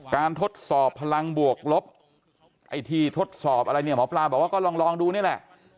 ทดสอบพลังบวกลบไอ้ที่ทดสอบอะไรเนี่ยหมอปลาบอกว่าก็ลองดูนี่แหละ